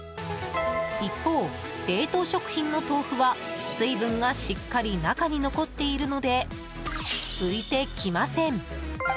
一方、冷凍食品の豆腐は水分がしっかり中に残っているので浮いてきません。